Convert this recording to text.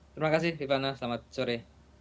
terima kasih rifana selamat sore